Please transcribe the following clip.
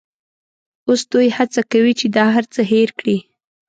اوس دوی هڅه کوي چې دا هرڅه هېر کړي.